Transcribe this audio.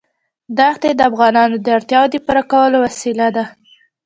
ښتې د افغانانو د اړتیاوو د پوره کولو وسیله ده.